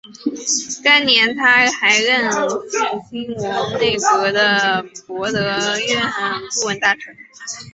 该年他还任庆亲王内阁的弼德院顾问大臣。